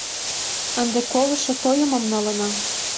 Ынде колышо тойымым налына.